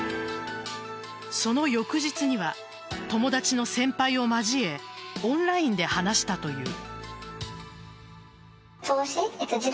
その翌日には友達の先輩を交えオンラインで話したという。